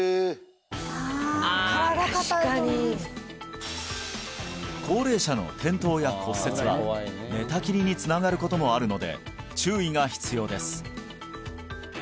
あ高齢者の転倒や骨折は寝たきりにつながることもあるので注意が必要です